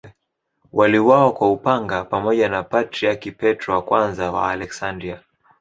Waliuawa kwa upanga pamoja na Patriarki Petro I wa Aleksandria.